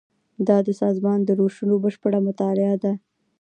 دا د سازمان د روشونو بشپړه مطالعه ده.